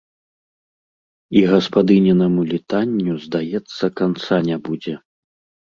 І гаспадынінаму літанню, здаецца, канца не будзе.